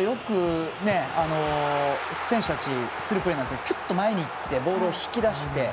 よく選手たちがするプレーなんですけどキュッと前にいってボールを引き出して。